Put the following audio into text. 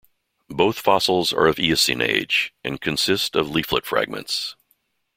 Both fossils are of Eocene age, and consist of leaflet fragments.